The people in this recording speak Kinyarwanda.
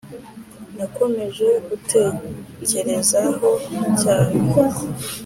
nakomeje kugutekereza.ho cyane